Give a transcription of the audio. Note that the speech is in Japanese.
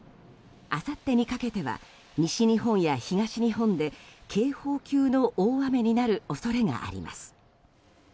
あさってにかけては西日本や東日本で警報級の大雨になる恐れがあります。